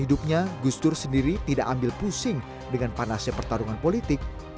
karena gusdur sendiri tidak ambil pusing dengan panasnya pertarungan politik